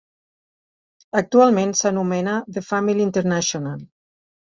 Actualment s'anomena The Family International.